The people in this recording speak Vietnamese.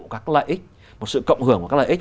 các lợi ích một sự cộng hưởng và các lợi ích